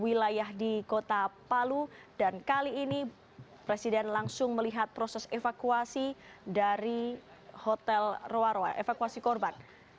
wilayah di kota palu dan kali ini presiden langsung melihat proses evakuasi dari hotel roa roa evakuasi korban